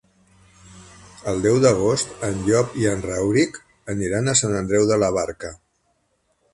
El deu d'agost en Llop i en Rauric aniran a Sant Andreu de la Barca.